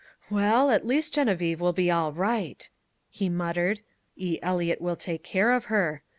"Well, at least Geneviève will be all right," he muttered. "E. Eliot will take care of her.